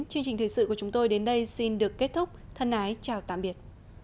chương trình thời sự của chúng tôi đến đây xin được kết thúc thân ái chào tạm biệt